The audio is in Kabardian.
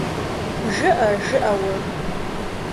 ЖыӀэ, жыӀэ уэ…